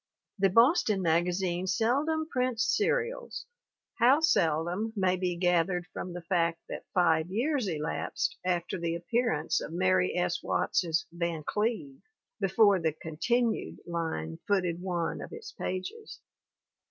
The Boston magazine seldom prints serials, how seldom may be gathered from the fact that five years elapsed after the appear ance of Mary S. Watts's Van Cleve before the "con tinued" line footed one of its pages.